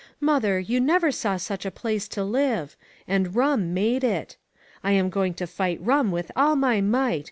Mother, you never saw such a place to live. And rum made it. I am going to fight rum with all my might.